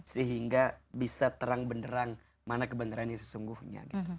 sehingga bisa terang benderang mana kebenarannya sesungguhnya